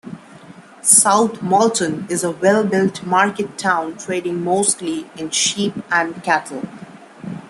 South Molton is a well-built market town trading mostly in sheep and cattle.